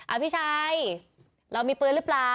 พี่ชัยเรามีปืนหรือเปล่า